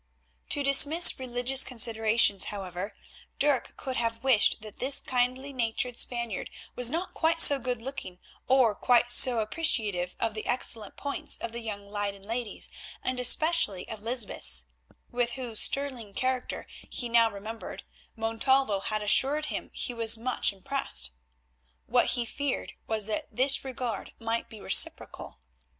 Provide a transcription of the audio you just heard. To dismiss religious considerations, however, Dirk could have wished that this kindly natured Spaniard was not quite so good looking or quite so appreciative of the excellent points of the young Leyden ladies, and especially of Lysbeth's, with whose sterling character, he now remembered, Montalvo had assured him he was much impressed. What he feared was that this regard might be reciprocal.